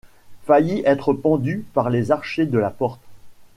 Failli être pendu par les archers de la porte.